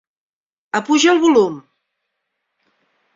Apuja el volum.